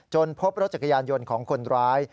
พบรถจักรยานยนต์ของคนร้าย